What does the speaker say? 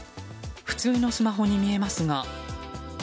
普通のスマホに見えますが。